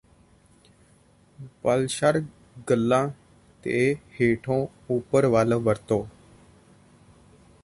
ਬਲੱਸ਼ਰ ਗੱਲ੍ਹਾਂ ਤੇ ਹੇਠੋਂ ਉਪਰ ਵੱਲ ਵਰਤੋਂ